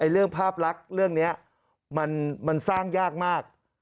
เรื่องภาพลักษณ์เรื่องนี้มันสร้างยากมาก